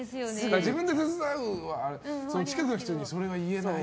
自分で手伝うはあるけど近くの人にそれは言えない。